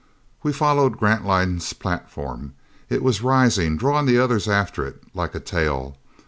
We followed Grantline's platform. It was rising, drawing the others after it like a tail.